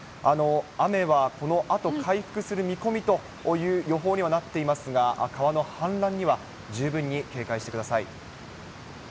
雨はこのあと回復する見込みという予報にはなっていますが、川の氾濫には十分に警戒してください。